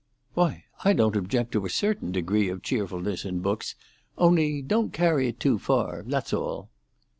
"Why, I don't object to a certain degree of cheerfulness in books; only don't carry it too far—that's all."